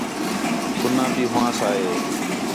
سُنّا بھی ہوآں ساں ہِے